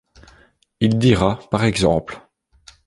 Il dira p.ex.